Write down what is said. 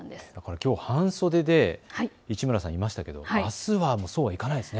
きょう半袖で市村さん、いましたけれどもあすはそうはいかないですね。